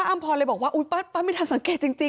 อำพรเลยบอกว่าป๊าไม่ทันทานสังเกตจริงที่